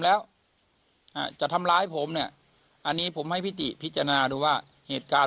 แล้วจะทำร้ายผมเนี่ยอันนี้ผมให้พิติพิจารณาดูว่าเหตุการณ์